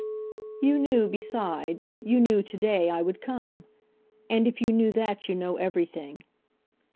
"You knew, besides, you knew to day, I would come. And if you knew that you know everything."